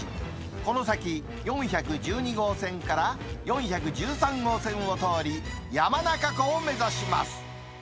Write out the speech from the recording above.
この先４１２号線から４１３号線を通り、山中湖を目指します。